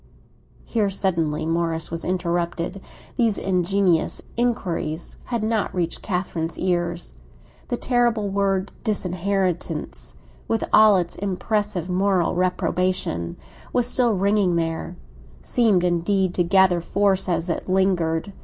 Here, suddenly, Morris was interrupted; these ingenious inquiries had not reached Catherine's ears. The terrible word "disinheritance," with all its impressive moral reprobation, was still ringing there; seemed indeed to gather force as it lingered.